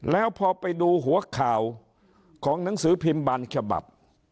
แล้วพอไปดูหัวข่าวของหนังสือพิมพ์บางฉบับ